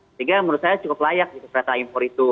sehingga menurut saya cukup layak kereta impor itu